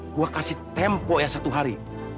saya kasih tempoh satu hari